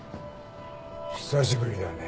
久しぶりだね